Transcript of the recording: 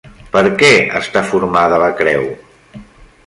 Per què està formada la creu?